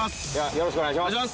よろしくお願いします。